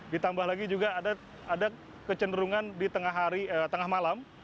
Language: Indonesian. ditambah lagi juga ada kecenderungan di tengah malam